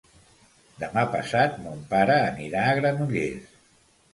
Demà passat mon pare anirà a Granollers.